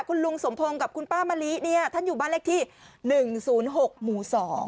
คุณลุงสมพงศ์กับคุณป้ามะลิเนี่ยท่านอยู่บ้านเลขที่๑๐๖หมู่๒